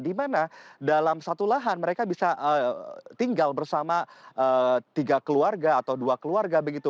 di mana dalam satu lahan mereka bisa tinggal bersama tiga keluarga atau dua keluarga begitu